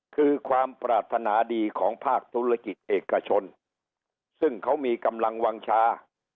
คือความปรารถนาดีของภาคธุรกิจเอกชนซึ่งเขามีกำลังวางชา